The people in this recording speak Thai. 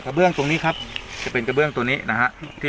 เบื้องตรงนี้ครับจะเป็นกระเบื้องตัวนี้นะฮะ